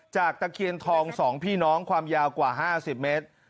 จากตะเคียนทองสองพี่น้องความยาวกว่าห้าสิบเมตร